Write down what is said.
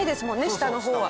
下の方は。